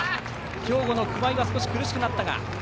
兵庫の熊井は苦しくなったが。